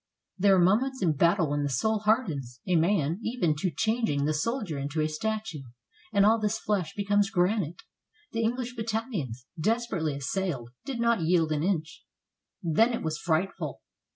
There are moments in battle when the soul hardens a man even to changing the soldier into a statue, and all this flesh becomes granite. The English battalions, des perately assailed, did not yield an inch. Then it was frightful.